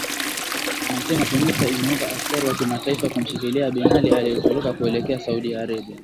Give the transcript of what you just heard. amesema tunisia imeomba askari wa kimataifa kumshikilia benali aliyetoroka kuelekea saudia arabia